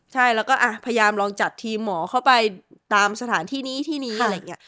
ใช่แล้วก็พยายามลองจัดทีมหมอเข้าไปตามสถานที่นี้ที่นี้อะไรอย่างนี้